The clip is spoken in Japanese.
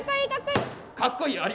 かっこいい？